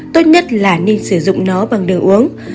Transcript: tốt nhất là nên sử dụng nó bằng đường uống